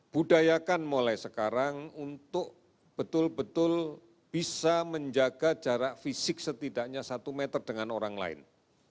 budayakan mulai sekarang untuk betul betul bisa menjaga jarak fisik setidaknya satu meter dengan orang lain